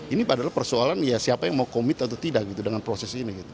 ini padahal persoalan ya siapa yang mau komit atau tidak gitu dengan proses ini